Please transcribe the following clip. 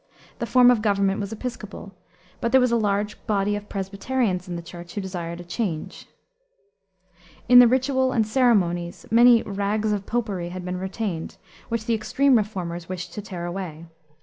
The form of government was Episcopal, but there was a large body of Presbyterians in the Church who desired a change. In the ritual and ceremonies many "rags of popery" had been retained, which the extreme reformers wished to tear away.